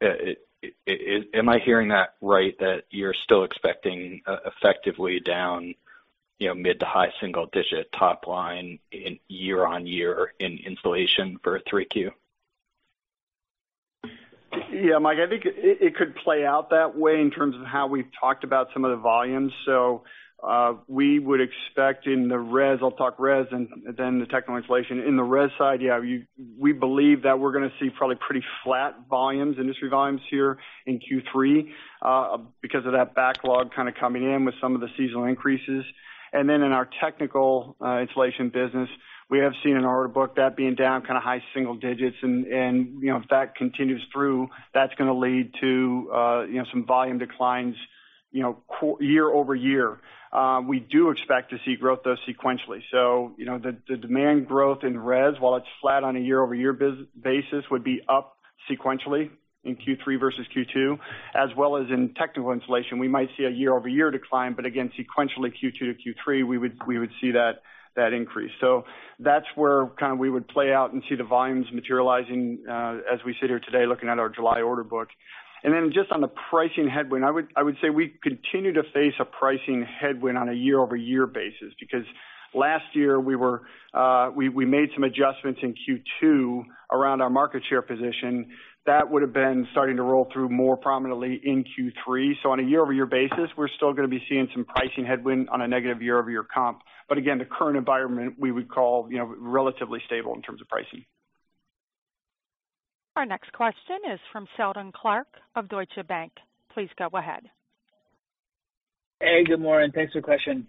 am I hearing that right, that you're still expecting effectively down mid to high single digit top line year on year in insulation for a 3Q? Yeah, Mike. I think it could play out that way in terms of how we've talked about some of the volumes. So we would expect in the res. I'll talk res and then the technical insulation. In the res side, yeah, we believe that we're going to see probably pretty flat volumes, industry volumes here in Q3 because of that backlog kind of coming in with some of the seasonal increases. And then in our technical insulation business, we have seen in our order book that being down kind of high single digits. And if that continues through, that's going to lead to some volume declines year over year. We do expect to see growth, though, sequentially. So the demand growth in res, while it's flat on a year-over-year basis, would be up sequentially in Q3 versus Q2, as well as in technical insulation. We might see a year-over-year decline. But again, sequentially Q2 to Q3, we would see that increase. So that's where kind of we would play out and see the volumes materializing as we sit here today looking at our July order book. And then just on the pricing headwind, I would say we continue to face a pricing headwind on a year-over-year basis because last year we made some adjustments in Q2 around our market share position. That would have been starting to roll through more prominently in Q3. So on a year-over-year basis, we're still going to be seeing some pricing headwind on a negative year-over-year comp. But again, the current environment, we would call relatively stable in terms of pricing. Our next question is from Seldon Clarke of Deutsche Bank. Please go ahead. Hey, good morning. Thanks for the question.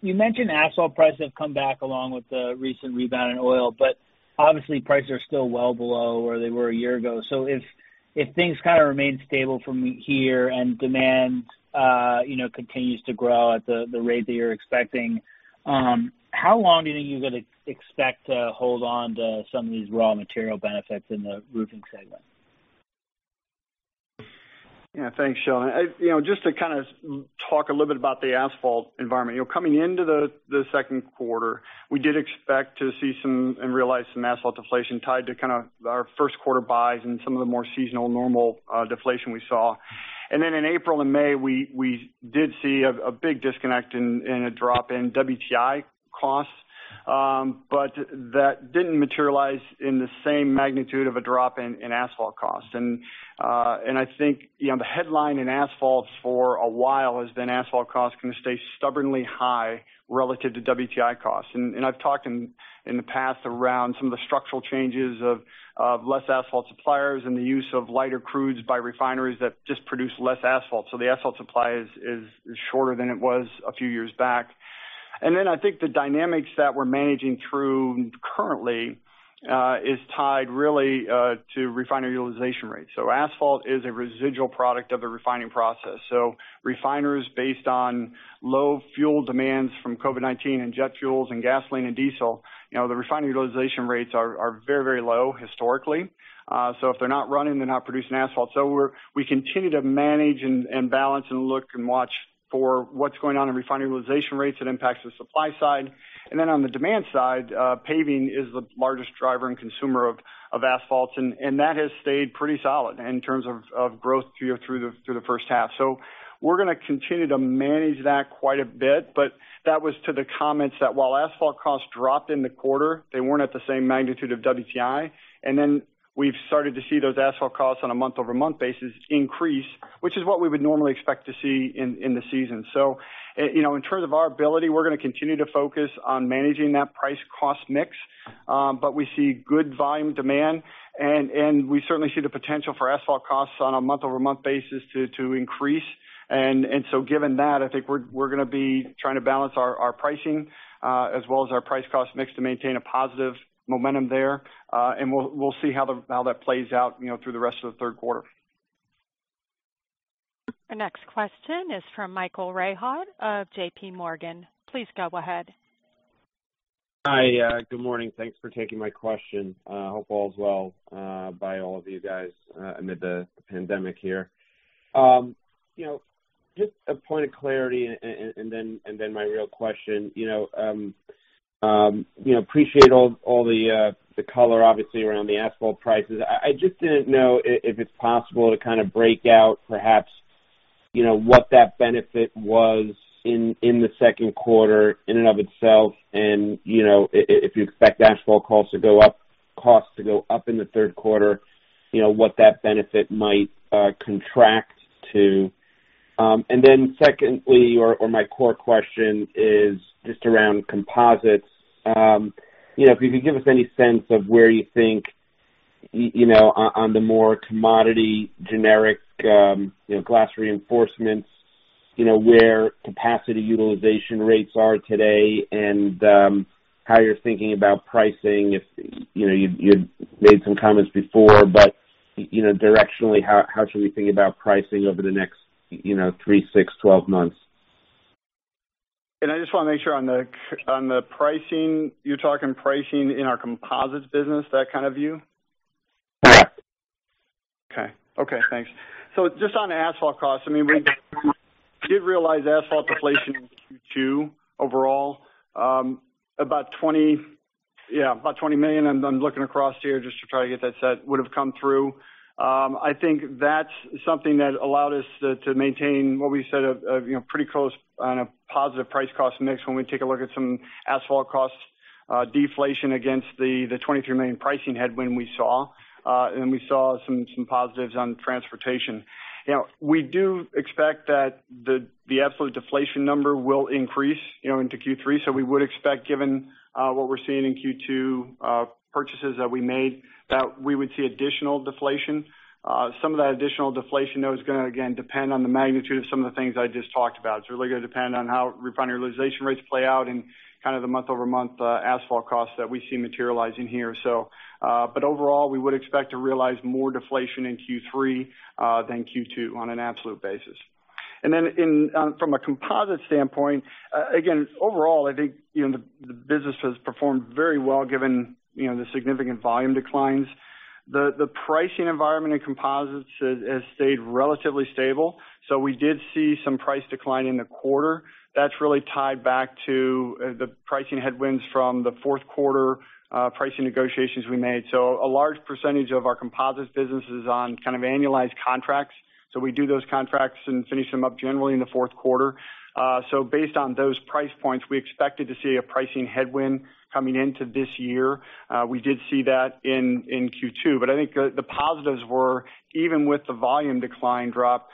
You mentioned asphalt prices have come back along with the recent rebound in oil, but obviously prices are still well below where they were a year ago. So if things kind of remain stable from here and demand continues to grow at the rate that you're expecting, how long do you think you're going to expect to hold on to some of these raw material benefits in the roofing segment? Yeah, thanks, Seldon. Just to kind of talk a little bit about the asphalt environment. Coming into the second quarter, we did expect to see some and realize some asphalt deflation tied to kind of our first quarter buys and some of the more seasonal normal deflation we saw. Then in April and May, we did see a big disconnect in a drop in WTI costs, but that didn't materialize in the same magnitude of a drop in asphalt costs. I think the headline in asphalt for a while has been asphalt costs can stay stubbornly high relative to WTI costs. I've talked in the past around some of the structural changes of less asphalt suppliers and the use of lighter crudes by refineries that just produce less asphalt. The asphalt supply is shorter than it was a few years back. And then I think the dynamics that we're managing through currently is tied really to refinery utilization rates. So asphalt is a residual product of the refining process. So refineries based on low fuel demands from COVID-19 and jet fuels and gasoline and diesel, the refinery utilization rates are very, very low historically. So if they're not running, they're not producing asphalt. So we continue to manage and balance and look and watch for what's going on in refinery utilization rates that impacts the supply side. And then on the demand side, paving is the largest driver and consumer of asphalt. And that has stayed pretty solid in terms of growth through the first half. So we're going to continue to manage that quite a bit. But that was to the comments that while asphalt costs dropped in the quarter, they weren't at the same magnitude of WTI. And then we've started to see those asphalt costs on a month-over-month basis increase, which is what we would normally expect to see in the season. So in terms of our ability, we're going to continue to focus on managing that price-cost mix. But we see good volume demand. And we certainly see the potential for asphalt costs on a month-over-month basis to increase. And so given that, I think we're going to be trying to balance our pricing as well as our price-cost mix to maintain a positive momentum there. And we'll see how that plays out through the rest of the third quarter. Our next question is from Michael Rehaut of J.P. Morgan. Please go ahead. Hi, good morning. Thanks for taking my question. I hope all's well with all of you guys amid the pandemic here. Just a point of clarity and then my real question. Appreciate all the color, obviously, around the asphalt prices. I just didn't know if it's possible to kind of break out perhaps what that benefit was in the second quarter in and of itself. And if you expect asphalt costs to go up, costs to go up in the third quarter, what that benefit might contract to. And then secondly, or my core question is just around composites. If you could give us any sense of where you think on the more commodity generic glass reinforcements, where capacity utilization rates are today, and how you're thinking about pricing. You made some comments before, but directionally, how should we think about pricing over the next 3, 6, 12 months? I just want to make sure on the pricing, you're talking pricing in our composites business, that kind of view? Correct. Okay. Okay. Thanks. So just on asphalt costs, I mean, we did realize asphalt deflation in Q2 overall, about $20 million. And I'm looking across here just to try to get that set would have come through. I think that's something that allowed us to maintain what we said of pretty close on a positive price-cost mix when we take a look at some asphalt costs deflation against the $23 million pricing headwind we saw. And we saw some positives on transportation. We do expect that the absolute deflation number will increase into Q3. So we would expect, given what we're seeing in Q2 purchases that we made, that we would see additional deflation. Some of that additional deflation, though, is going to, again, depend on the magnitude of some of the things I just talked about. It's really going to depend on how refinery utilization rates play out and kind of the month-over-month asphalt costs that we see materializing here. But overall, we would expect to realize more deflation in Q3 than Q2 on an absolute basis. And then from a composites standpoint, again, overall, I think the business has performed very well given the significant volume declines. The pricing environment in composites has stayed relatively stable. So we did see some price decline in the quarter. That's really tied back to the pricing headwinds from the fourth quarter pricing negotiations we made. So a large percentage of our composites business is on kind of annualized contracts. So we do those contracts and finish them up generally in the fourth quarter. So based on those price points, we expected to see a pricing headwind coming into this year. We did see that in Q2. But I think the positives were, even with the volume decline drop,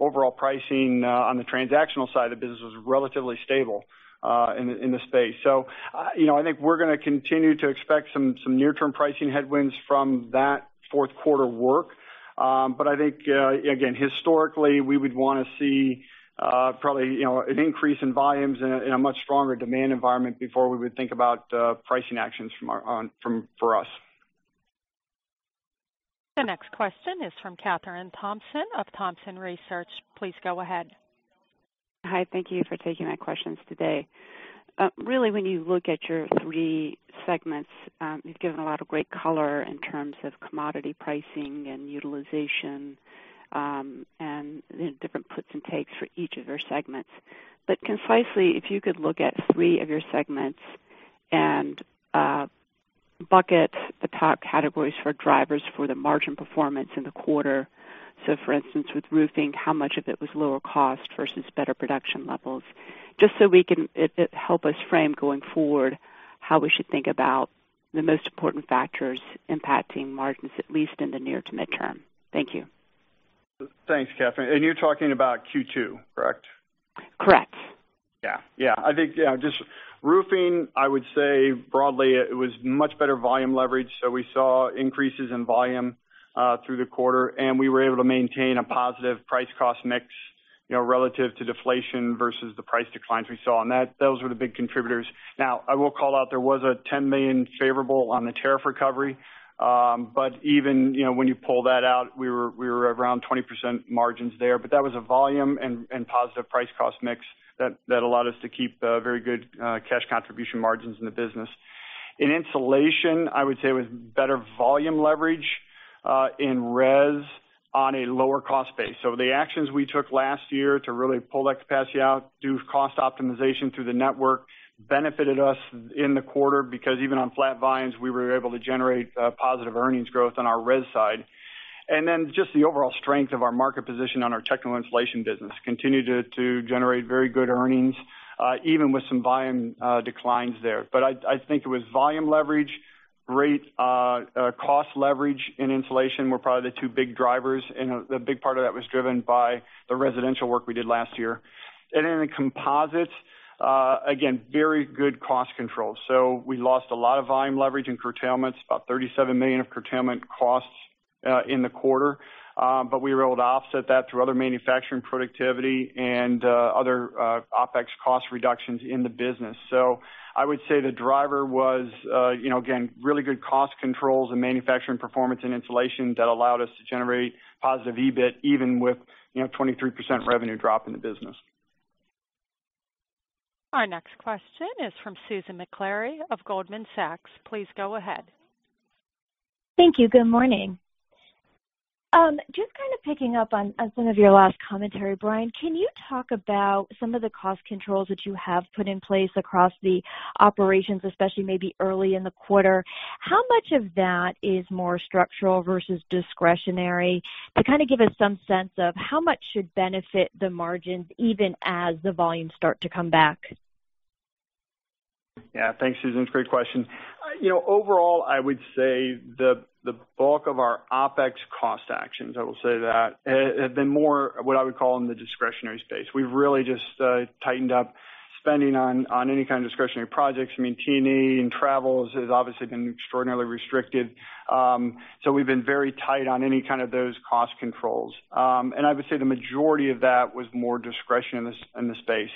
overall pricing on the transactional side of the business was relatively stable in the space. So I think we're going to continue to expect some near-term pricing headwinds from that fourth quarter work. But I think, again, historically, we would want to see probably an increase in volumes and a much stronger demand environment before we would think about pricing actions for us. The next question is from Kathryn Thompson of Thompson Research. Please go ahead. Hi. Thank you for taking my questions today. Really, when you look at your 3 segments, you've given a lot of great color in terms of commodity pricing and utilization and different puts and takes for each of your segments. But concisely, if you could look at 3 of your segments and bucket the top categories for drivers for the margin performance in the quarter. So for instance, with roofing, how much of it was lower cost versus better production levels? Just so it helps us frame going forward how we should think about the most important factors impacting margins, at least in the near to midterm. Thank you. Thanks, Katherine. And you're talking about Q2, correct? Correct. Yeah. Yeah. I think just roofing, I would say broadly, it was much better volume leverage. So we saw increases in volume through the quarter. And we were able to maintain a positive price-cost mix relative to deflation versus the price declines we saw. And those were the big contributors. Now, I will call out there was a $10 million favorable on the tariff recovery. But even when you pull that out, we were around 20% margins there. But that was a volume and positive price-cost mix that allowed us to keep very good cash contribution margins in the business. In insulation, I would say it was better volume leverage in res on a lower cost base. The actions we took last year to really pull that capacity out, do cost optimization through the network, benefited us in the quarter because even on flat volumes, we were able to generate positive earnings growth on our res side. And then just the overall strength of our market position on our technical insulation business continued to generate very good earnings, even with some volume declines there. But I think it was volume leverage, rate cost leverage in insulation were probably the 2 big drivers. And a big part of that was driven by the residential work we did last year. And in the composites, again, very good cost control. So we lost a lot of volume leverage in curtailments, about $37 million of curtailment costs in the quarter. But we were able to offset that through other manufacturing productivity and other OpEx cost reductions in the business. So I would say the driver was, again, really good cost controls and manufacturing performance in insulation that allowed us to generate positive EBIT even with 23% revenue drop in the business. Our next question is from Susan Maklari of Goldman Sachs. Please go ahead. Thank you. Good morning. Just kind of picking up on some of your last commentary, Brian, can you talk about some of the cost controls that you have put in place across the operations, especially maybe early in the quarter? How much of that is more structural versus discretionary to kind of give us some sense of how much should benefit the margins even as the volumes start to come back? Yeah. Thanks, Susan. It's a great question. Overall, I would say the bulk of our OpEx cost actions, I will say that, have been more what I would call in the discretionary space. We've really just tightened up spending on any kind of discretionary projects. I mean, T&E and travel has obviously been extraordinarily restricted. So we've been very tight on any kind of those cost controls. And I would say the majority of that was more discretionary in the space.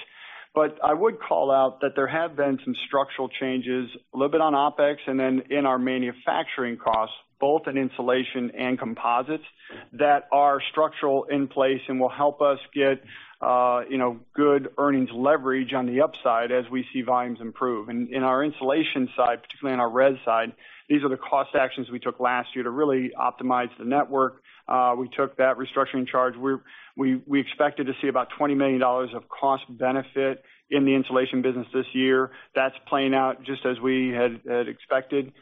But I would call out that there have been some structural changes, a little bit on OpEx, and then in our manufacturing costs, both in insulation and composites, that are structural in place and will help us get good earnings leverage on the upside as we see volumes improve. In our insulation side, particularly on our res side, these are the cost actions we took last year to really optimize the network. We took that restructuring charge. We expected to see about $20 million of cost benefit in the insulation business this year. That's playing out just as we had expected.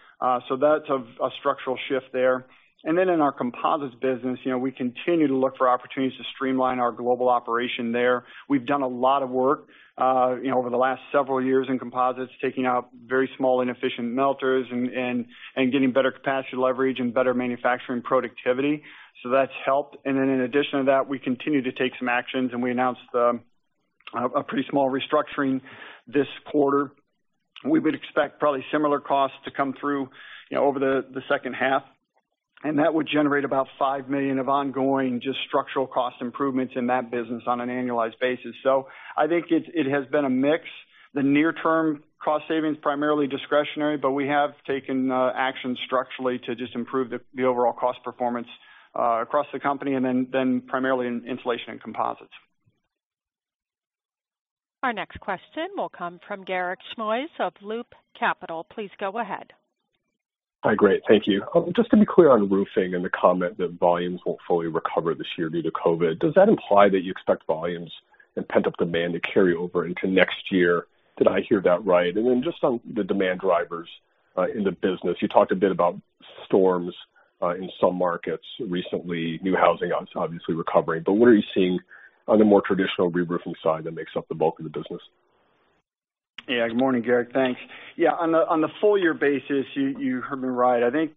So that's a structural shift there. And then in our composites business, we continue to look for opportunities to streamline our global operation there. We've done a lot of work over the last several years in composites, taking out very small inefficient melters and getting better capacity leverage and better manufacturing productivity. So that's helped. And then in addition to that, we continue to take some actions. And we announced a pretty small restructuring this quarter. We would expect probably similar costs to come through over the second half. And that would generate about $5 million of ongoing just structural cost improvements in that business on an annualized basis. So I think it has been a mix. The near-term cost savings primarily discretionary, but we have taken action structurally to just improve the overall cost performance across the company and then primarily in insulation and composites. Our next question will come from Garik Shmois of Loop Capital. Please go ahead. Hi. Great. Thank you. Just to be clear on roofing and the comment that volumes won't fully recover this year due to COVID, does that imply that you expect volumes and pent-up demand to carry over into next year? Did I hear that right? And then just on the demand drivers in the business, you talked a bit about storms in some markets recently, new housing obviously recovering. But what are you seeing on the more traditional re-roofing side that makes up the bulk of the business? Yeah. Good morning, Garik. Thanks. Yeah. On the full-year basis, you heard me right. I think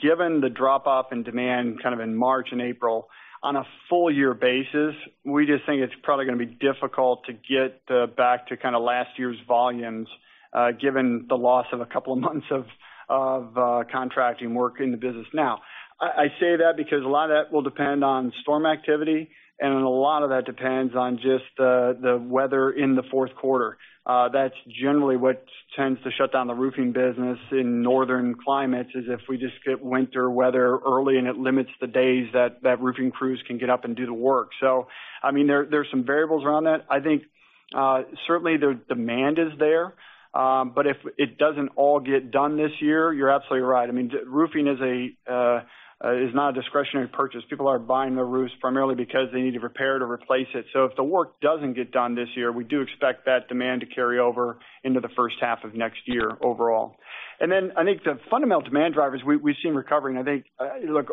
given the drop-off in demand kind of in March and April, on a full-year basis, we just think it's probably going to be difficult to get back to kind of last year's volumes given the loss of a couple of months of contracting work in the business now. I say that because a lot of that will depend on storm activity. And a lot of that depends on just the weather in the fourth quarter. That's generally what tends to shut down the roofing business in northern climates is if we just get winter weather early and it limits the days that roofing crews can get up and do the work. So I mean, there's some variables around that. I think certainly the demand is there. But if it doesn't all get done this year, you're absolutely right. I mean, roofing is not a discretionary purchase. People are buying their roofs primarily because they need to repair to replace it. So if the work doesn't get done this year, we do expect that demand to carry over into the first half of next year overall. And then I think the fundamental demand drivers we've seen recovering. I think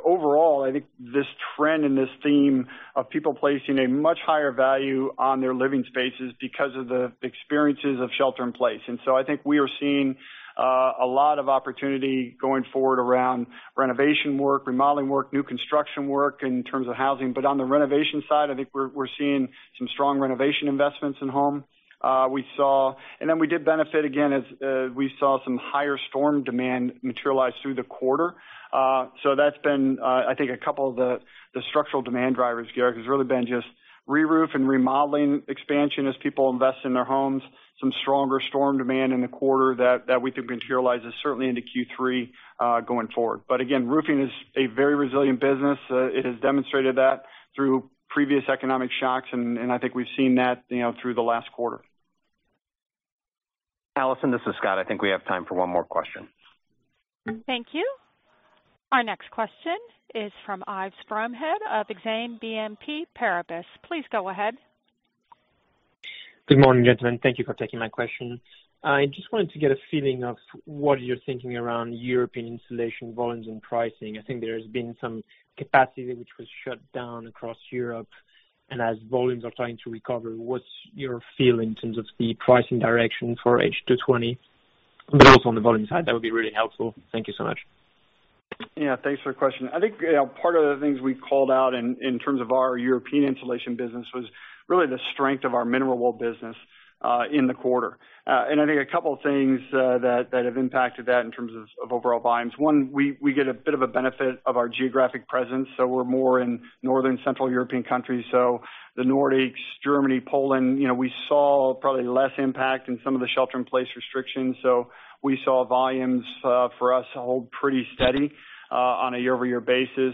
overall, I think this trend and this theme of people placing a much higher value on their living spaces because of the experiences of shelter in place. And so I think we are seeing a lot of opportunity going forward around renovation work, remodeling work, new construction work in terms of housing. But on the renovation side, I think we're seeing some strong renovation investments in home. And then we did benefit again as we saw some higher storm demand materialize through the quarter. So that's been, I think, a couple of the structural demand drivers, Garik, has really been just re-roofing and remodeling expansion as people invest in their homes, some stronger storm demand in the quarter that we think materializes certainly into Q3 going forward. But again, roofing is a very resilient business. It has demonstrated that through previous economic shocks. And I think we've seen that through the last quarter. Allison, this is Scott. I think we have time for one more question. Thank you. Our next question is from Yves Bromehead of Exane BNP Paribas. Please go ahead. Good morning, gentlemen. Thank you for taking my question. I just wanted to get a feeling of what you're thinking around European insulation volumes and pricing. I think there has been some capacity which was shut down across Europe, and as volumes are starting to recover, what's your feeling in terms of the pricing direction for H2 '20, but also on the volume side, that would be really helpful. Thank you so much. Yeah. Thanks for the question. I think part of the things we called out in terms of our European insulation business was really the strength of our mineral wool business in the quarter. And I think a couple of things that have impacted that in terms of overall volumes. One, we get a bit of a benefit of our geographic presence. So we're more in northern Central European countries. So the Nordics, Germany, Poland, we saw probably less impact in some of the shelter-in-place restrictions. So we saw volumes for us hold pretty steady on a year-over-year basis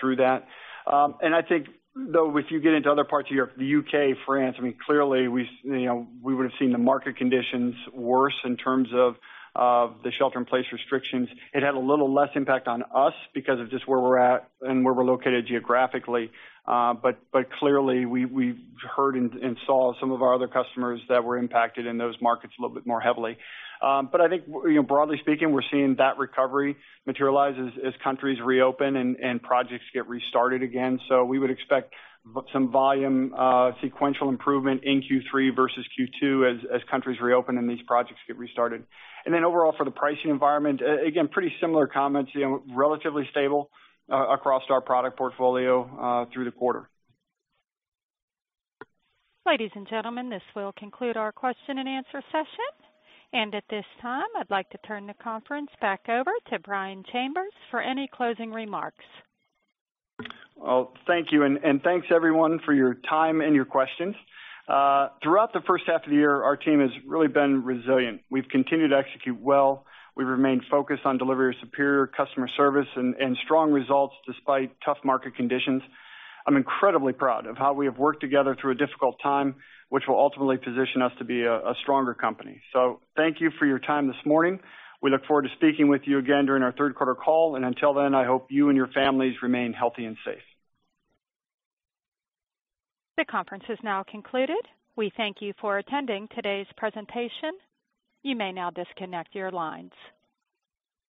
through that. And I think, though, if you get into other parts of Europe, the U.K., France, I mean, clearly we would have seen the market conditions worse in terms of the shelter-in-place restrictions. It had a little less impact on us because of just where we're at and where we're located geographically. But clearly, we heard and saw some of our other customers that were impacted in those markets a little bit more heavily. But I think, broadly speaking, we're seeing that recovery materialize as countries reopen and projects get restarted again. So we would expect some volume sequential improvement in Q3 versus Q2 as countries reopen and these projects get restarted. And then overall for the pricing environment, again, pretty similar comments, relatively stable across our product portfolio through the quarter. Ladies and gentlemen, this will conclude our question and answer session, and at this time, I'd like to turn the conference back over to Brian Chambers for any closing remarks. Thank you. Thanks, everyone, for your time and your questions. Throughout the first half of the year, our team has really been resilient. We've continued to execute well. We've remained focused on delivering superior customer service and strong results despite tough market conditions. I'm incredibly proud of how we have worked together through a difficult time, which will ultimately position us to be a stronger company. Thank you for your time this morning. We look forward to speaking with you again during our third-quarter call. Until then, I hope you and your families remain healthy and safe. The conference is now concluded. We thank you for attending today's presentation. You may now disconnect your lines.